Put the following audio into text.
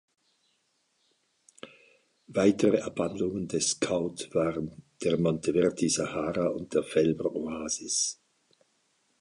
Weitere Abwandlungen des Scout waren der Monteverdi Sahara und der Felber Oasis.